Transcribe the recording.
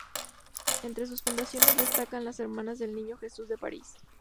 Entre sus fundaciones destacan las Hermanas del Niño Jesús de París.